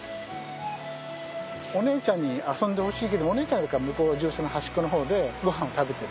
お姉ちゃんに遊んでほしいけどお姉ちゃんは向こう獣舎の端っこの方でごはんを食べている。